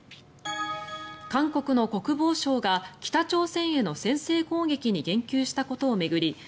韓国の国防相が北朝鮮への先制攻撃に言及したことを巡り